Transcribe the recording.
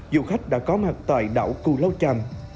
du khách đã có mặt tại đảo cù lao tràm